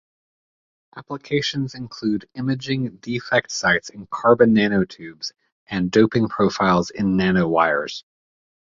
Applications include imaging defect sites in carbon nanotubes and doping profiles in nanowires.